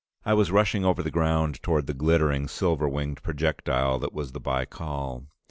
I was rushing over the ground toward the glittering, silver winged projectile that was the Baikal.